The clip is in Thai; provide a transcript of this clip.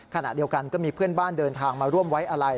ขณะเดียวกันก็มีเพื่อนบ้านเดินทางมาร่วมไว้อะไร